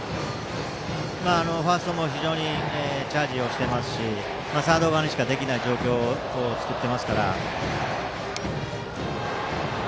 ファーストも非常にチャージをしていますしサード側にしかできない状況を作っていますから。